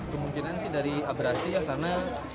kemungkinan sih dari abrasi ya karena